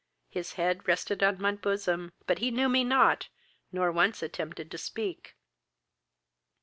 His head rested on my bosom, but he knew me not, nor once attempted to speak.